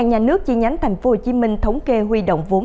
ngân hàng nhà nước chỉ nhánh tp hcm thống kê huy động vốn